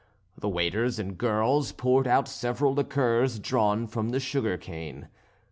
The waiters and girls poured out several liqueurs drawn from the sugar cane.